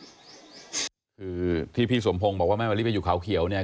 คือที่พี่สมพงศ์บอกว่าแม่มะลิไปอยู่เขาเขียวเนี่ย